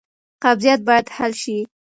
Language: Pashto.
قبضیت باید حل شي.